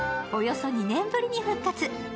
およそ２年ぶりに復活。